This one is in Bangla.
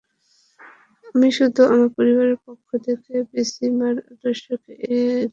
আমি শুধু আমার পরিবারের পক্ষ থেকে পিসিমার আদর্শকে এগিয়ে নিতে চাই।